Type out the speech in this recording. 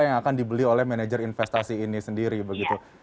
yang akan dibeli oleh manajer investasi ini sendiri begitu